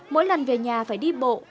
mỗi lần về nhà phải đi bộ